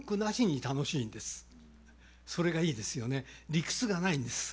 理屈がないんです。